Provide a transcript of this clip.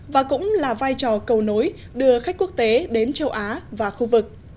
và cũng là vai trò cầu nối đưa khách quốc tế đến châu á và khu vực